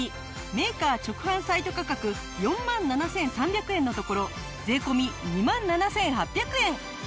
メーカー直販サイト価格４万７３００円のところ税込２万７８００円！